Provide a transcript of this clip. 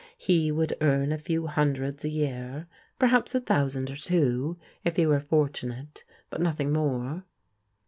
He would earn a few hundreds a year, perhaps a thousand or two, if be were forttmate, but nothing more."